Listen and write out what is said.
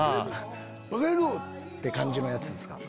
って感じのやつですか？